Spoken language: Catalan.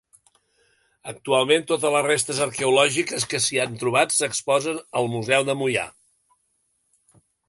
Actualment totes les restes arqueològiques que s'hi han trobat s'exposen al Museu de Moià.